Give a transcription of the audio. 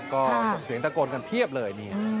แล้วก็เสียงตะโกดกันเทียบเลย